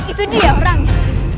itu dia orangnya